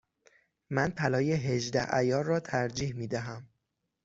من طلای هجده عیار را ترجیح می دهم.